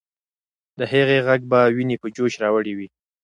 د هغې ږغ به ويني په جوش راوړي وي.